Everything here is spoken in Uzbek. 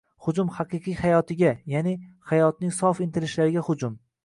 hujum “haqiqiy hayotiga”, ya’ni hayotning sof intilishlariga hujum